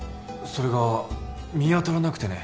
それが見当たらなくてね。